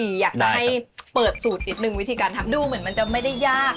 อยากจะให้เปิดสูตรนิดนึงวิธีการทำดูเหมือนมันจะไม่ได้ยาก